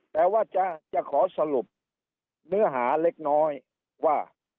แต่ว่าจะขอสรุปเนื้อหาเล็กน้อยว่า